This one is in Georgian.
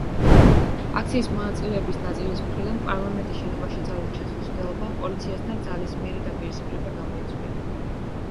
აქციის მონაწილეების ნაწილის მხრიდან პარლამენტის შენობაში ძალით შესვლის მცდელობამ პოლიციასთან ძალისმიერი დაპირისპირება გამოიწვია.